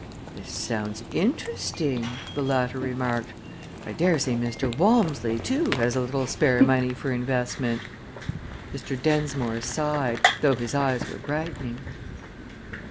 "This sounds interesting!" the latter remarked. "I dare say Mr. Walmsley, too, has a little spare money for investment." Mr. Densmore sighed, though his eyes were brightening.